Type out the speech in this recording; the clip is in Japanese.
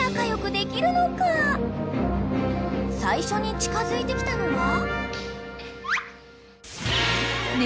［最初に近づいてきたのは］